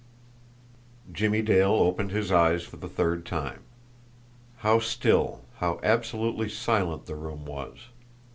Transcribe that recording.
Jimmie Dale opened his eyes for the third time. How still, how absolutely silent the room was!